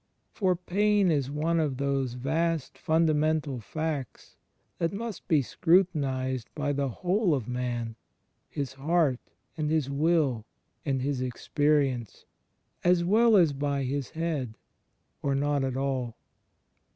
For pain is one of those vast fxmdamental facts that must be scrutinized by the whole of man — his heart and his will and his experience — as well as by his head; or not at all.